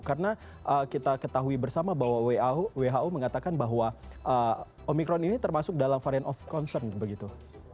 karena kita ketahui bersama bahwa who mengatakan bahwa omicron ini termasuk dalam varian of concern begitu